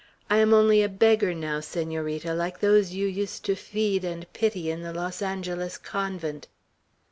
I am only a beggar now, Senorita; like those you used to feed and pity in Los Angeles convent!"